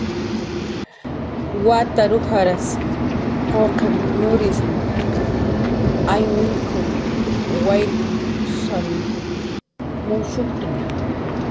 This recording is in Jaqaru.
Watar ujras quqim nurisn aywinkun wayrkshusan mushuktna